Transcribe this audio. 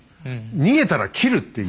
逃げたら斬るっていう。